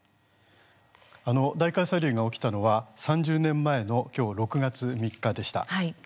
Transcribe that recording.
大火砕流が起きたのは３０年前の６月３日でした。